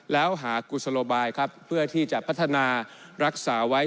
แล้วหากุศโลบายครับเพื่อที่จะพัฒนารักษาไว้